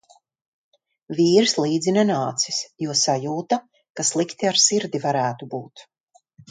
Vīrs līdzi nenācis, jo sajūta, ka slikti ar sirdi varētu būt.